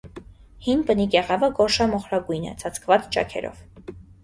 Հին բնի կեղևը գորշամոխրագույն է, ծածկված ճաքերով։